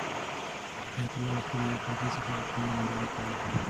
حیات الله له خپلې کړکۍ څخه د قمرۍ ننداره کوي.